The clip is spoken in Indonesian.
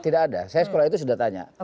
tidak ada saya sekolah itu sudah tanya